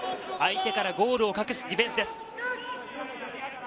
相手からゴールを隠すディフェンスです。